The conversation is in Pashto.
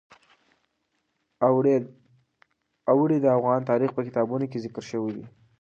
اوړي د افغان تاریخ په کتابونو کې ذکر شوی دي.